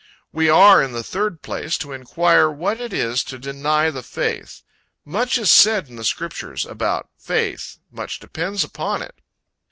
We are, in the third place, to enquire what it is to "deny the faith." Much is said in the Scriptures about faith. Much depends upon it.